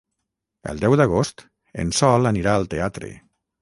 El deu d'agost en Sol anirà al teatre.